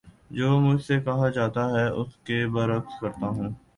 جو مجھ سے کہا جاتا ہے اس کے بر عکس کرتا ہوں